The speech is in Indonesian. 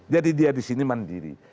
jadi dia disini mandiri